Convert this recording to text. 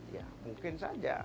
ya mungkin saja